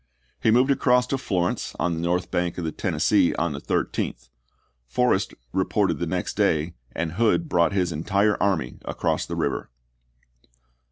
He moved across to Florence on the north bank of the Tennes see on the 13th ; Forrest reported the next day, and Hood brought his entire army across the river.